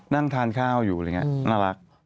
นั่งทานข้าวอยู่อะไรอย่างนี้น่ารัก